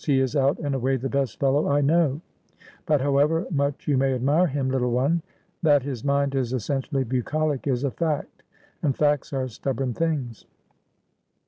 He is out and away the best fellow I know ; but, however much you may admire him, little one, that his mind is essentially bucolic is a fact — and facts are stubborn things.'